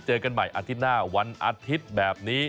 เจอกันใหม่อาทิตย์หน้าวันอาทิตย์แบบนี้